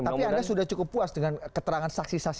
tapi anda sudah cukup puas dengan keterangan saksi saksi